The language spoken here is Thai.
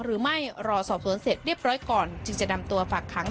รอสอบสวนเสร็จเรียบร้อยก่อนจึงจะนำตัวฝากค้าง